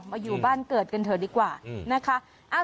มาอยู่บ้านเกิดกันเถอะดีกว่านะคะ